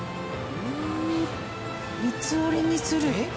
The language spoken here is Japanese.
３つ折りにする。